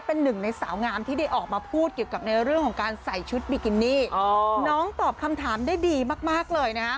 เพราะว่าในเพจหลักเขาเนี่ย